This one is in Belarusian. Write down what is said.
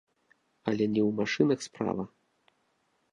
Але не ў машынах справа.